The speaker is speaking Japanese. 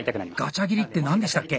ガチャ切りって何でしたっけ？